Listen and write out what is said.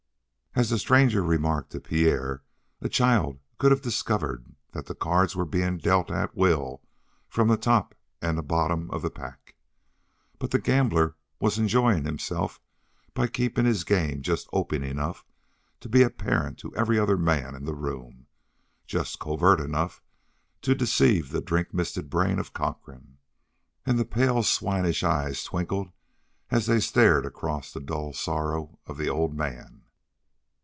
As the stranger remarked to Pierre, a child could have discovered that the cards were being dealt at will from the top and the bottom of the pack, but the gambler was enjoying himself by keeping his game just open enough to be apparent to every other man in the room just covert enough to deceive the drink misted brain of Cochrane. And the pale, swinish eyes twinkled as they stared across the dull sorrow of the old man.